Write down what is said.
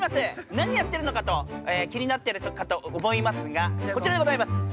何をやっているのかと、気になっているかと思いますが、こちらでございます。